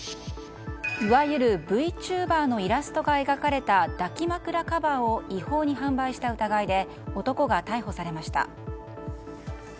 いわゆるＶｔｕｂｅｒのイラストが描かれた抱き枕カバーを違法に販売した疑いで男が逮捕されました。